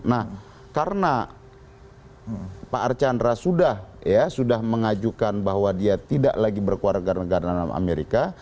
nah karena pak archandra sudah mengajukan bahwa dia tidak lagi berkeluarga negaraan dalam amerika